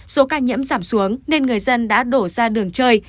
số ca nhiễm giảm xuống nên người dân đã đổ ra đường chơi